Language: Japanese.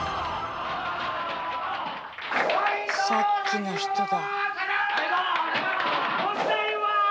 さっきの人だ。